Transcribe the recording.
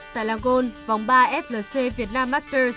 tại langone vòng ba flc vietnam masters